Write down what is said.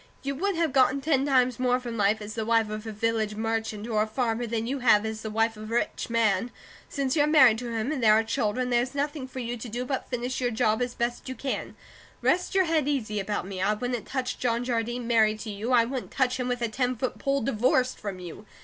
You would have gotten ten times more from life as the wife of a village merchant, or a farmer, than you have as the wife of a rich man. Since you're married to him, and there are children, there's nothing for you to do but finish your job as best you can. Rest your head easy about me. I wouldn't touch John Jardine married to you; I wouldn't touch him with a ten foot pole, divorced from you.